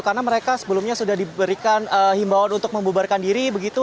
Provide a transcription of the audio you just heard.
karena mereka sebelumnya sudah diberikan himbawan untuk membubarkan diri begitu